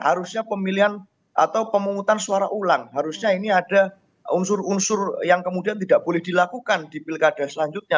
harusnya pemilihan atau pemungutan suara ulang harusnya ini ada unsur unsur yang kemudian tidak boleh dilakukan di pilkada selanjutnya